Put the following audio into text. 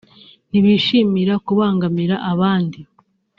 ntibishimira kubangamira abandi